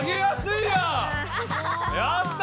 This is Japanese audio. やった！